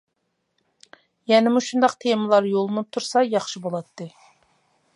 يەنە مۇشۇنداق تېمىلار يوللىنىپ تۇرسا ياخشى بولاتتى.